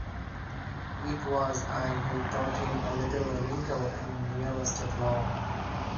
It was I who taught him a little wrinkle in real estate law.